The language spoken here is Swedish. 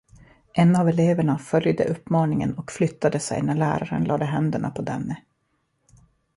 En av eleverna följde uppmaningen och flyttade sig när läraren lade händerna på denne.